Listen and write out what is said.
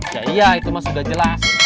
ya iya itu mas sudah jelas